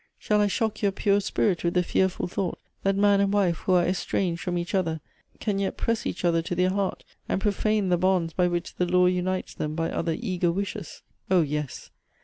Shall I shock your pure" spirit with the fearful thought, that man and wife who are estranged from each other, can yet press each other to their heart, and profane the bonds by which the law unites them by other eager wishes ? Oh yes